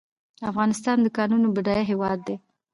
افغانستان د کانونو بډایه هیواد دی